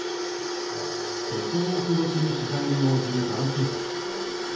鉄格子越しに取材に応じる男性たち。